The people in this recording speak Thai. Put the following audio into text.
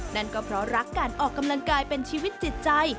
นั่นก็เพราะรักการออกกำลังกายเป็นชีวิตจิตใจ